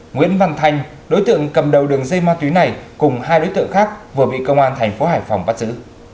nguyễn văn thanh đối tượng cầm đầu đường dây ma túy này cùng hai đối tượng khác vừa bị công an thành phố hải phòng bắt giữ